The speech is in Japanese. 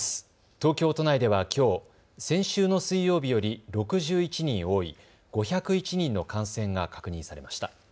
東京都内ではきょう先週の水曜日より６１人多い５０１人の感染が確認されました。